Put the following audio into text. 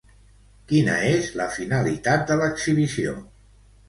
Quina és la finalitat de l'exhibició?